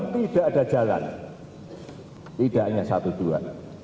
tidak hanya satu dua